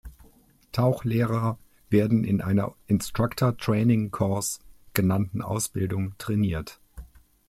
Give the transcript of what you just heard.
Tauchlehrer werden in einer "Instructor Training Course" genannten Ausbildung trainiert.